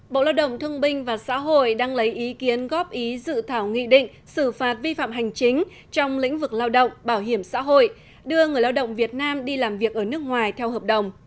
bộ lao động thương binh và xã hội đang lấy ý kiến góp ý dự thảo nghị định xử phạt vi phạm hành chính trong lĩnh vực lao động bảo hiểm xã hội đưa người lao động việt nam đi làm việc ở nước ngoài theo hợp đồng